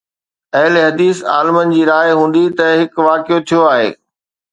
اهلحديث عالمن جي راءِ هوندي ته هڪ واقعو ٿيو آهي.